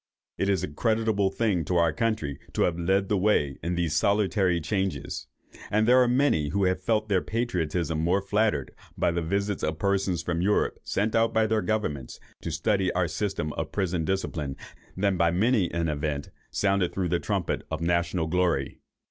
It is a creditable thing to our country to have led the way in these salutary changes; and there are many who have felt their patriotism more flattered by the visits of persons from Europe sent out by their governments to study our systems of prison discipline, than by many an event sounded through the trumpet of national glory.